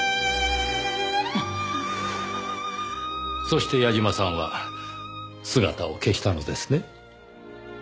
そして矢嶋さんは姿を消したのですね。